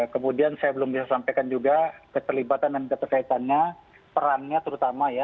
kemudian saya belum bisa sampaikan juga keterlibatan dan keterkaitannya perannya terutama ya